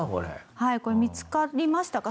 これ見つかりましたか？